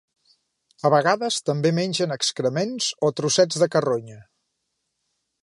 A vegades també mengen excrements o trossets de carronya.